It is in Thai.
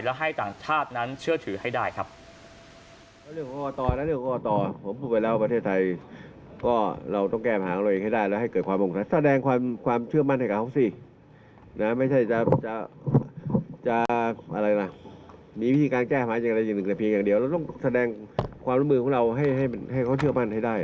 และให้ต่างชาตินั้นเชื่อถือให้ได้ครับ